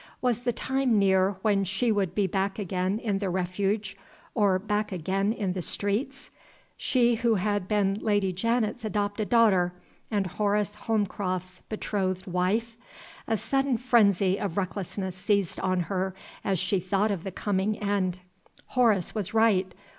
Was the time near when she would be back again in the Refuge, or back again in the streets? she who had been Lady Janet's adopted daughter, and Horace Holmcroft's betrothed wife! A sudden frenzy of recklessness seized on her as she thought of the coming end. Horace was right!